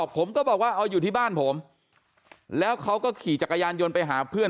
ผมก็บอกว่าเอาอยู่ที่บ้านผมแล้วเขาก็ขี่จักรยานยนต์ไปหาเพื่อน